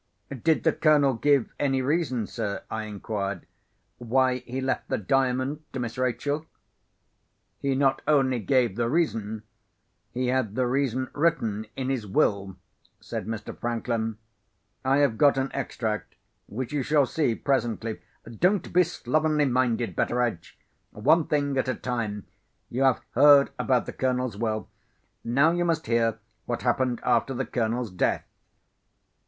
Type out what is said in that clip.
"Did the Colonel give any reason, sir," I inquired, "why he left the Diamond to Miss Rachel?" "He not only gave the reason—he had the reason written in his will," said Mr. Franklin. "I have got an extract, which you shall see presently. Don't be slovenly minded, Betteredge! One thing at a time. You have heard about the Colonel's Will; now you must hear what happened after the Colonel's death.